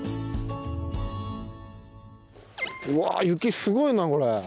うわ雪すごいなこれ。